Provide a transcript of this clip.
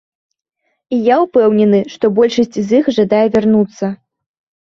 І я ўпэўнены, што большасць з іх жадае вярнуцца.